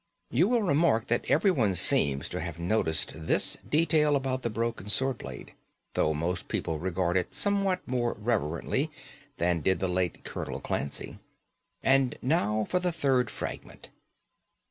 You will remark that everyone seems to have noticed this detail about the broken sword blade, though most people regard it somewhat more reverently than did the late Colonel Clancy. And now for the third fragment."